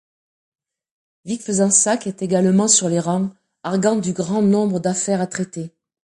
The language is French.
Vic-Fezensac est également sur les rangs, arguant du grand nombre d’affaires à traiter.